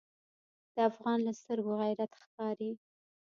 د افغان له سترګو غیرت ښکاري.